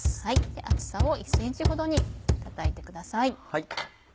厚さを１ｃｍほどに叩いてください。